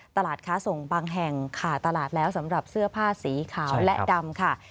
ตลาดค้าส่งบางแห่งขาดตลาดแล้วสำหรับเสื้อผ้าสีขาวและดำค่ะ